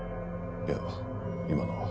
いや今のは。